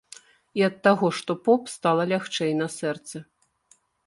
І ад таго, што поп, стала лягчэй на сэрцы.